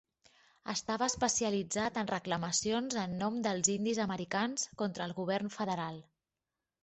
Estava especialitzat en reclamacions en nom dels indis americans contra el govern federal.